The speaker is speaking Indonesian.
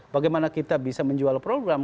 bagaimana kita bisa menjual program